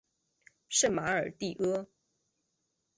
圣马尔蒂阿。